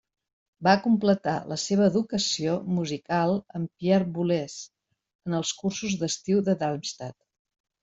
Va completar la seva educació musical amb Pierre Boulez en els Cursos d'Estiu de Darmstadt.